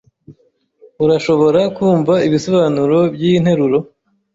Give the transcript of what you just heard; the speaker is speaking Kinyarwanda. Urashobora kumva ibisobanuro byiyi nteruro?